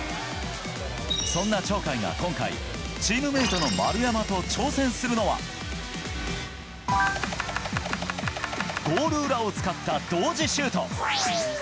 そんな鳥海が今回チームメートの丸山と挑戦するのはゴール裏を使った同時シュート。